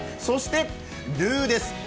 そして、ルーです。